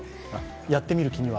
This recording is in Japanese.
やってみる気には？